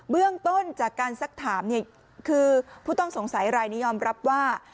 เบื้องต้นจากการสักถามคือสงสัยรายนิยอมรับว่า